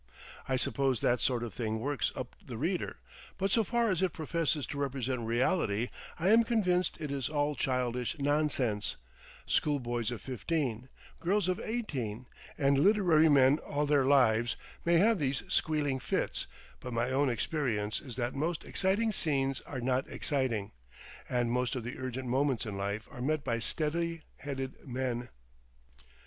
I suppose that sort of thing works up the reader, but so far as it professes to represent reality, I am convinced it is all childish nonsense, schoolboys of fifteen, girls of eighteen, and literary men all their lives, may have these squealing fits, but my own experience is that most exciting scenes are not exciting, and most of the urgent moments in life are met by steady headed men.